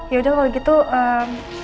yaudah kalau gitu eee